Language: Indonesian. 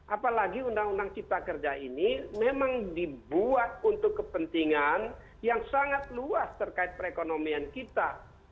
apalagi undang undang cipta kerja ini memang dibuat untuk kepentingan yang sangat luas terkait perekonomian kita